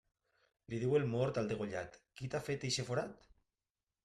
Li diu el mort al degollat, qui t'ha fet eixe forat?